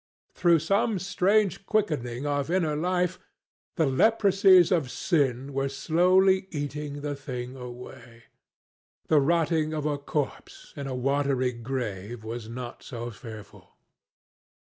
Through some strange quickening of inner life the leprosies of sin were slowly eating the thing away. The rotting of a corpse in a watery grave was not so fearful.